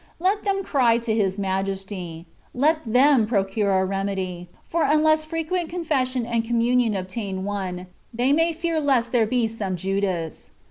Let them cry to His Majesty : let them procure a remedy, for unless frequent confession and communion obtain one, they may fear lest there be some Judas.